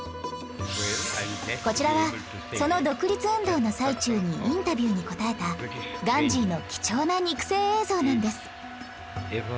こちらはその独立運動の最中にインタビューに答えたガンジーの貴重な肉声映像なんです